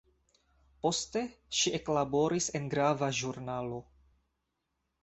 Poste ŝi eklaboris en grava ĵurnalo.